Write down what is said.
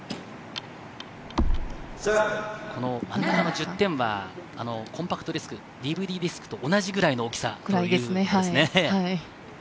真ん中の１０点は、コンパクトディスク、ＤＶＤディスクと同じくらいの大きさですね。